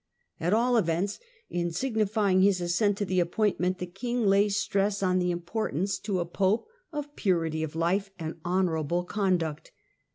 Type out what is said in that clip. At all events, in signifying his assent to the appointment, the king lays stress on the importance to a Pope of purity of life and honourable conduct.